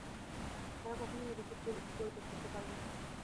তারা কখনই এ-দুটি পরিত্যাগ করতে পারে না।